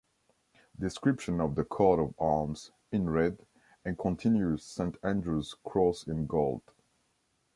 Description of the coat of arms: in red, a continuous St. Andrew’s cross in gold.